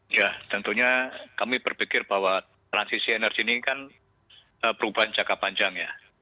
ya tentunya kami berpikir bahwa transisi energi ini kan perubahan jangka panjang ya